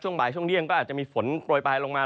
ช่วงบ่ายช่วงเดี่ยงก็อาจจะมีฝนโปรยไปลงมา